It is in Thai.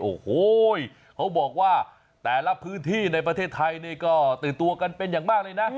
โอ้โหเขาบอกว่าแต่ละพื้นที่ในประเทศไทยนี่ก็ตื่นตัวกันเป็นอย่างมากเลยนะ